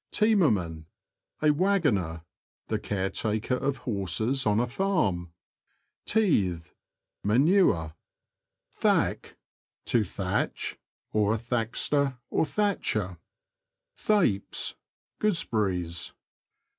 Teamerman. — A waggoner. The caretaker of horses on a farm. Teathe. — Manure. Thack. — To thatch ; thackster, a thatcher. Thapes. — Gooseberries.